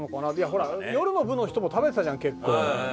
ほら夜の部の人も食べてたじゃん結構。